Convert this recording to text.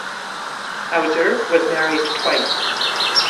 Hauser was married twice.